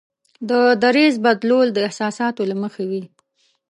د دریځ بدلول د احساساتو له مخې وي.